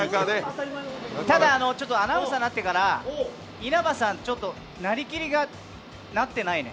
ただ、アナウンサーになってから、稲葉さん、ちょっとなりきりが、なってないね。